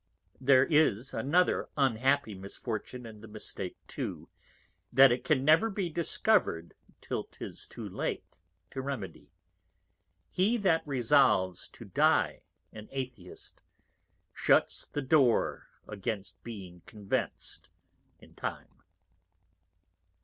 _ _There is another unhappy Misfortune in the Mistake too, that it can never be discover'd till 'tis too late to remedy. He that resolves to die an Atheist, shuts the Door against being convinc'd in time.